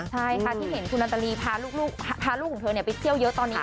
ใช่ค่ะที่เห็นคุณนันตาลีพาลูกของเธอไปเที่ยวเยอะตอนนี้